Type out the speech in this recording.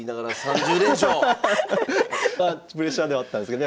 あのプレッシャーではあったんですけどね